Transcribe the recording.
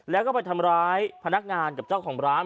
แล้วก็ไปทำร้ายพนักงานกับเจ้าของร้าน